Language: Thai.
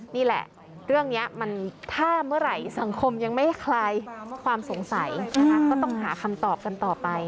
นี่แหละเรื่องนี้มันถ้าเมื่อไหร่สังคมยังไม่คลายความสงสัยนะคะก็ต้องหาคำตอบกันต่อไป